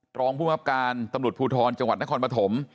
ตรองผู้หับการตำรวจผู้ทรจังหวัดนครปฐม